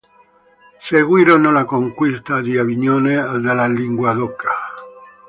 Seguirono la conquista di Avignone e della Linguadoca.